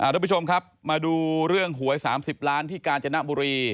ทุกผู้ชมครับมาดูเรื่องหวย๓๐ล้านที่กาญจนบุรี